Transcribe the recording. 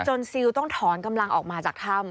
ซิลต้องถอนกำลังออกมาจากถ้ำ